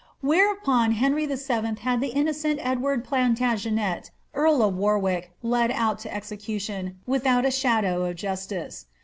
Whereupon Henry VII. had the innocent Edward Plantagenet, earl of Warwick, led out to execution, without a shadow of justice.